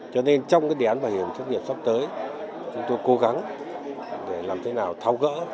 cho nên trong cái đề án bảo hiểm thất nghiệp sắp tới chúng tôi cố gắng để làm thế nào thao gỡ